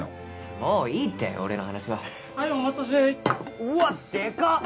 もういいって俺の話ははいお待たせうわッでかッ！